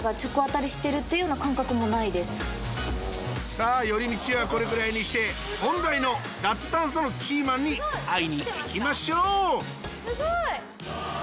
さぁ寄り道はこれくらいにして本題の脱炭素のキーマンに会いにいきましょうすごい！